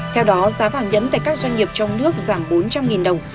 theo đó giá vàng nhẫn tại các doanh nghiệp trong nước giảm bốn trăm linh đồng